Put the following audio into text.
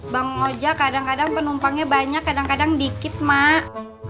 bang oja kadang kadang penumpangnya banyak kadang kadang dikit mak